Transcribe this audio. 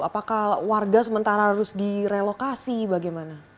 apakah warga sementara harus direlokasi bagaimana